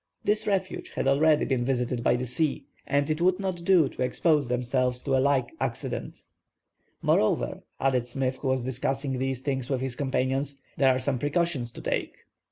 This refuge had already been visited by the sea, and it would not do to expose themselves to a like accident. "Moreover," added Smith, who was discussing these things with his companions, "there are some precautions to take."